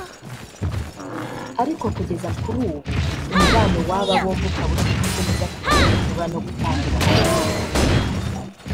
Ariko kugeza kuri ubu umubano w’aba bombi ukaba utifashe neza ku buryo bashobora no gutandukana